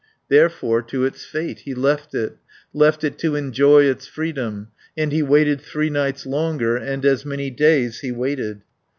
50 Therefore to its fate he left it, Left it to enjoy its freedom, And he waited three nights longer, And as many days he waited.